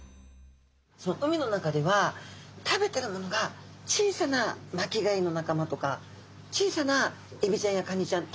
海の中では食べてるものが小さな巻き貝の仲間とか小さなエビちゃんやカニちゃん